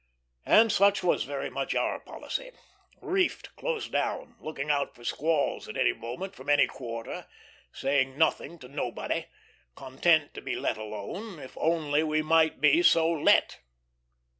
And such was very much our policy; reefed close down, looking out for squalls at any moment from any quarter, saying nothing to nobody, content to be let alone, if only we might be so let.